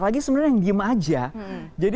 lagi sebenarnya yang diem aja jadi